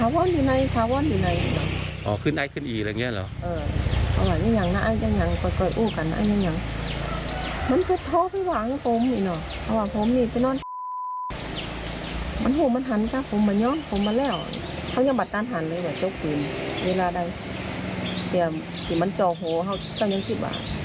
ว่าเจ้าคุณเวลาได้เตรียมที่มันเจ้าโหว่าเจ้ายังคิดว่า